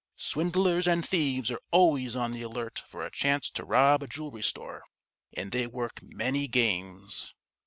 Swindlers and thieves are always on the alert for a chance to rob a jewelry store, and they work many games."